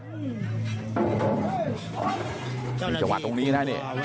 มีจังหวัดตรงนี้น่ะ